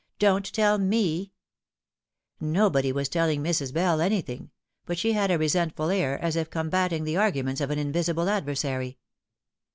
Don't tell me" Nobody was telling Mrs. Bell anything; but she had a resentful air, as if combating the arguments of an invisible adversary.